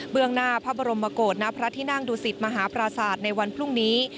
เบื้องหน้าพระบรมโมโกรธณพระทินั่งดุสิตมหาประสาทในวันพรุ่งนี้